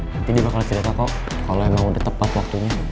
nanti dia bakal cerita kok kalau emang udah tepat waktunya